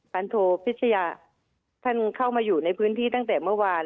พันโทพิชยาท่านเข้ามาอยู่ในพื้นที่ตั้งแต่เมื่อวาน